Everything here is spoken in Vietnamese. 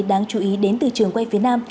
đáng chú ý đến từ trường quay phía nam